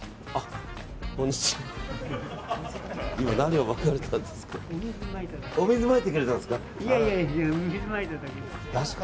今何をまかれたんですか。